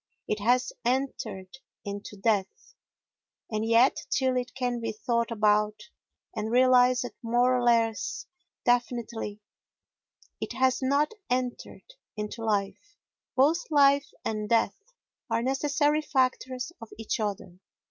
It has entered into death. And yet till it can be thought about and realised more or less definitely it has not entered into life. Both life and death are necessary factors of each other.